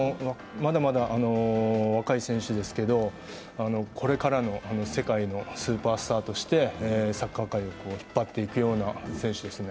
まだまだ若い選手ですけどこれからの世界のスーパースターとしてサッカー界を引っ張っていくような選手ですね。